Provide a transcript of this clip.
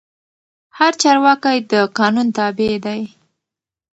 هر چارواکی د قانون تابع دی